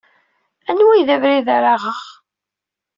Anwa ay d abrid ara aɣeɣ?